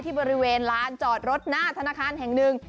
บริเวณลานจอดรถหน้าธนาคารแห่งหนึ่ง